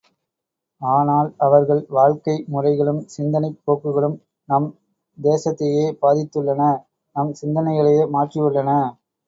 ஆனால் அவர்கள் வாழ்க்கை முறைகளும் சிந்தனைப் போக்குகளும் நம் தேசத்தையே பாதித்துள்ளன நம் சிந்தனைகளையே மாற்றி உள்ளன.